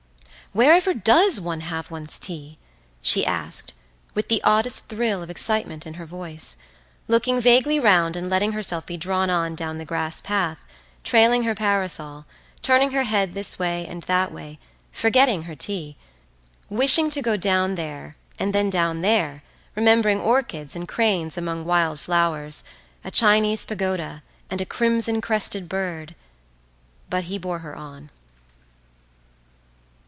"Wherever does one have one's tea?" she asked with the oddest thrill of excitement in her voice, looking vaguely round and letting herself be drawn on down the grass path, trailing her parasol, turning her head this way and that way, forgetting her tea, wishing to go down there and then down there, remembering orchids and cranes among wild flowers, a Chinese pagoda and a crimson crested bird; but he bore her on.